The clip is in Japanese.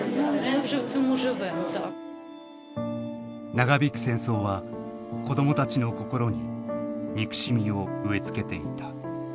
・長引く戦争は子どもたちの心に憎しみを植え付けていた。